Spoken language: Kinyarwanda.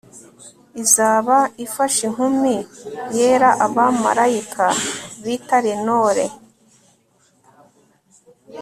izaba ifashe inkumi yera abamarayika bita lenore